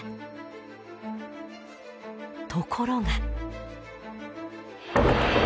ところが。